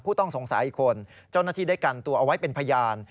ต้องสงสัยอีกคนเจ้าหน้าที่ได้กันตัวเอาไว้เป็นพยาน